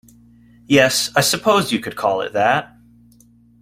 Yes, I suppose you could call it that.